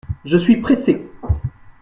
Je suis pressé.